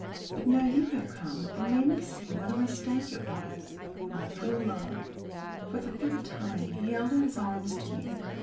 But now you have come, and made me see what a mistake it was." "My little love." For the third time he held out his arms to me.